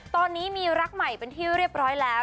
ตอนนี้มีรักใหม่เป็นที่เรียบร้อยแล้ว